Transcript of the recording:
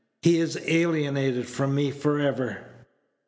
He is alienated from me for ever."